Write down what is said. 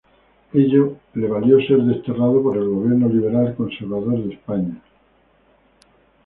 Ello le valió ser desterrado por el gobierno liberal-conservador de España.